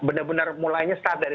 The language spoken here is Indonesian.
benar benar mulainya start dari